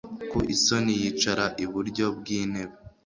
ku isoni yicara iburyo bw intebe